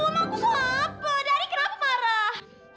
lo kusah apa jadi kenapa marah